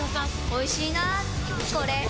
おいしいなぁこれ